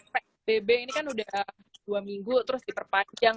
psbb ini kan udah dua minggu terus diperpanjang